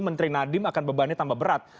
menteri nadiem akan bebannya tambah berat